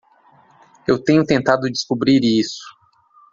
Eu tenho tentado descobrir isso.